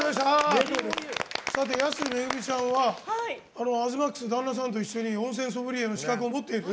安めぐみちゃんは東ＭＡＸ、旦那さんと一緒に温泉ソムリエの資格を持っていると。